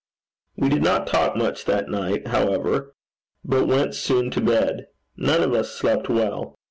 We did not talk much that night, however, but went soon to bed. None of us slept well.